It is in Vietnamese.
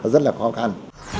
rất là khó khăn